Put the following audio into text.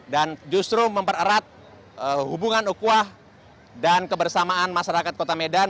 dan justru mempererat hubungan ukuah dan kebersamaan masyarakat kota medan